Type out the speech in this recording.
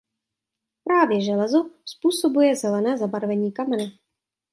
Právě železo způsobuje zelené zabarvení kamene.